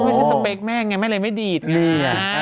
ก็ไม่ใช่สเปกแม่งไงไม่เลยไม่ดีดไง